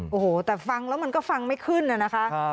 โอ้โหแต่ฟังแล้วมันก็ฟังไม่ขึ้นน่ะนะคะ